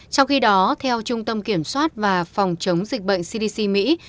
trong khi đó theo trung tâm kiểm soát và phòng chống dịch bệnh cdc mỹ